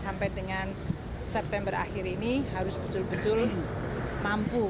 sampai dengan september akhir ini harus betul betul mampu